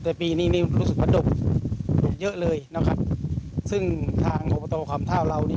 แต่ปีนี้รู้สึกวัดดุลเยอะเลยซึ่งทางอบโตความทาวน์เรานี้